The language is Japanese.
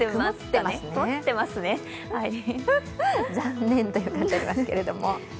残念という感じがありますけれども。